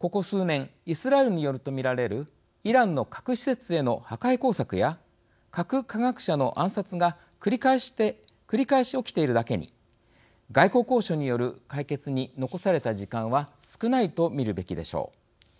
ここ数年イスラエルによると見られるイランの核施設への破壊工作や核科学者の暗殺が繰り返し起きているだけに外交交渉による解決に残された時間は少ないと見るべきでしょう。